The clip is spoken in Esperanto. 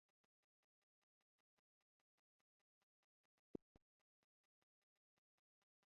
Por lerni lingvon, oni lernu kiel rilati kun homoj per fremda lingvo.